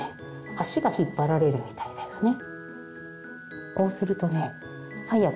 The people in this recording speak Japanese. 足が引っ張られるみたいだよね。